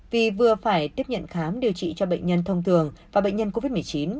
vì vừa phải tiếp nhận khám điều trị cho bệnh nhân thông thường và bệnh nhân covid một mươi chín